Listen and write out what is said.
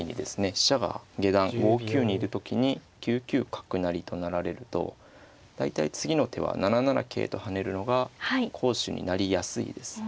飛車が下段５九にいる時に９九角成と成られると大体次の手は７七桂と跳ねるのが好手になりやすいです。